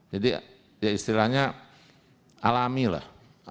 jadi istilahnya alami lah